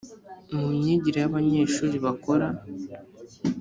mu myigire y’abanyeshuri bakora